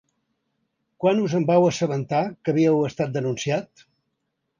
Quan us en vau assabentar que havíeu estat denunciat?